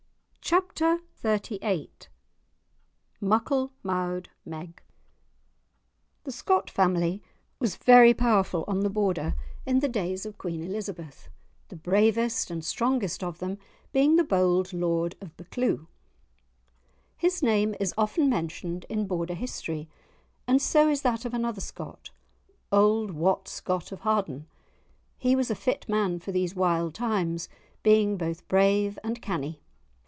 *Chapter XXXVIII* *Muckle mou'd Meg* The Scott family was very powerful on the Border in the days of Queen Elizabeth, the bravest and strongest of them being the bold Lord of Buccleuch. His name is often mentioned in Border history, and so is that of another Scott, "auld Wat Scott of Harden." He was a fit man for these wild times, being both brave and canny.